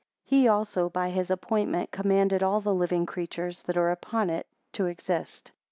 5 He also by his appointment, commanded all the living creatures that are upon it, to exist.